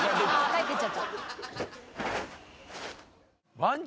「帰ってっちゃった」